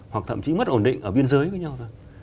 hoặc thậm chí mất ổn định ở biên giới với nhau thôi